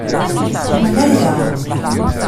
Tumen aya.